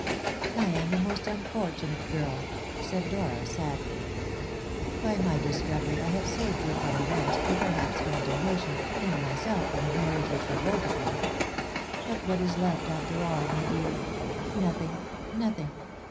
"I am a most unfortunate girl," said Dora sadly. "By my discovery I have saved you from arrest, and perhaps condemnation, and myself from a marriage which revolted me. But what is left after all, my dear? Nothing, nothing.